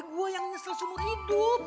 gue yang nyesel semua hidup